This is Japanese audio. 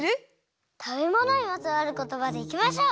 たべものにまつわることばでいきましょう！